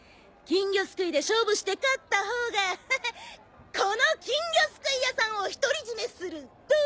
金魚すくいで勝負して勝ったほうがこの金魚すくい屋さんを独り占めする。